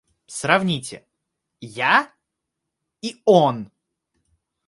Сравните: я и – он!